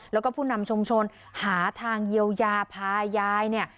แล้วก็ผู้นำชุมชนหาทางเยียวยาพายายเนี่ย